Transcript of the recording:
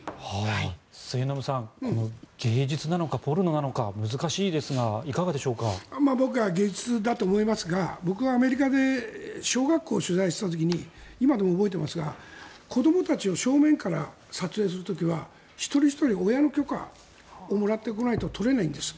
末延さん、芸術なのかポルノなのか難しいですが僕は芸術だと思いますが僕がアメリカで小学校を取材した時に今でも覚えてますが子どもたちを正面から撮影する時は一人ひとり親の許可をもらってこないと撮れないんです。